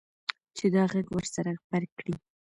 چې دا غږ ورسره غبرګ کړي.